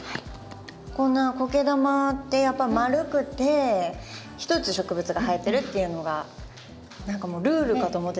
こんなコケ玉ってやっぱり丸くてひとつ植物が入ってるっていうのが何かもうルールかと思ってたので。